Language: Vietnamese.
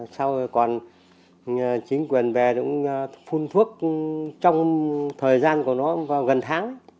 sau còn chính quyền về cũng phun thuốc trong thời gian của nó vào gần tháng